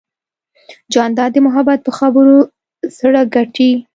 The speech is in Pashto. جانداد د محبت په خبرو زړه ګټي.